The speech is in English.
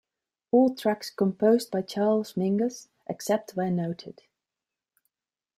All tracks composed by Charles Mingus, except where noted.